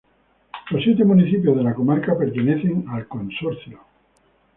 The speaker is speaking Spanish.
Los siete municipios de la comarca pertenecen al Consorcio.